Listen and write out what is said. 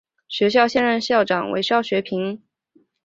学校现任校长为肖学平。